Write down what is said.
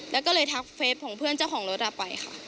แล้วก็เลยทักเฟสของเพื่อนเจ้าของรถไปค่ะ